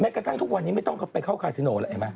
กระทั่งทุกวันนี้ไม่ต้องไปเข้าคาซิโนแล้วเห็นไหม